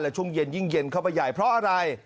ช่วงเย็นยิ่งเย็นเข้าไปใหญ่เพราะอะไร